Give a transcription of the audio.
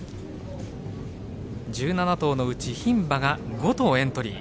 １７頭のうち牝馬が５頭エントリー。